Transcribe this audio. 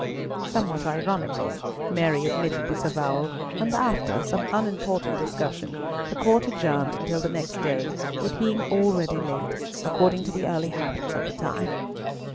Somewhat ironically Mary admitted this disavowal, and after some unimportant discussion, the Court adjourned until the next day, it being already late, according to the early habits of the time.